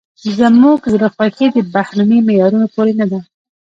زموږ زړه خوښي د بهرني معیارونو پورې نه ده.